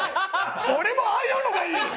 俺もああいうのがいい！